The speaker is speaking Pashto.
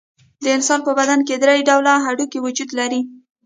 د انسان په بدن کې درې ډوله هډوکي وجود لري.